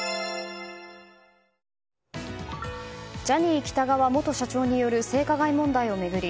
ジャニー喜多川元社長による性加害問題を巡り